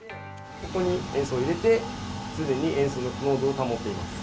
ここに塩素を入れて常に塩素の濃度を保っています。